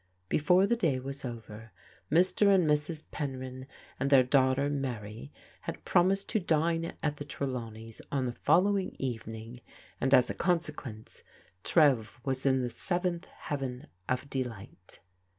Before the day was over Mr. and Mrs. Penryn and their daughter Mary had promised to dine at the Tre lawneys' on the following evening, and as a consequence Trev was in the seventh heaven of delight.